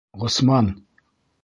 Ғосман!